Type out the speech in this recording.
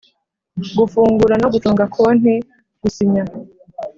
Gufungura no gucunga konti gusinya